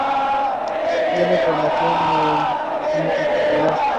Tiene formación multidisciplinar.